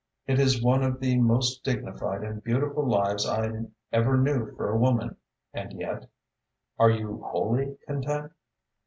It is one of the most dignified and beautiful lives I ever knew for a woman, and yet are you wholly content?"